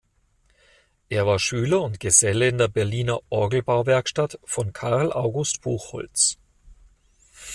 Er war Schüler und Geselle in der Berliner Orgelbauwerkstatt von Carl August Buchholz.